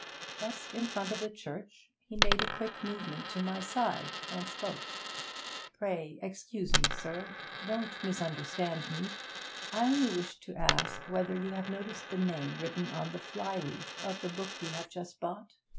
Just in front of the church he made a quick movement to my side, and spoke. 'Pray excuse me, sir don't misunderstand me I only wished to ask whether you have noticed the name written on the flyleaf of the book you have just bought?'